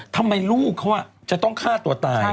ทำไมลูกเขาจะต้องฆ่าตัวตาย